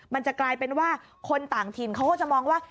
มันจะกลายเป็นว่าคนต่างถิ่นเขาก็จะมองว่า